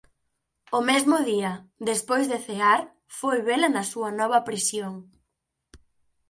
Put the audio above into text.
O mesmo día, despois de cear, foi vela na súa nova prisión.